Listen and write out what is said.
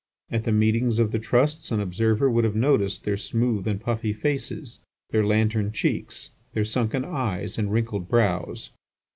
At the meetings of the trusts an observer would have noticed their smooth and puffy faces, their lantern cheeks, their sunken eyes and wrinkled brows.